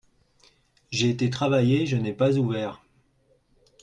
J'ai été travailler, je n'ai pas ouvert.